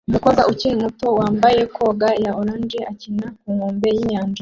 Umukobwa ukiri muto wambaye koga ya orange akina ku nkombe yinyanja